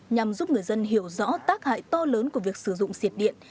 nhằm giúp người dân hiểu rõ tác hại to lớn của việc sử dụng diệt điện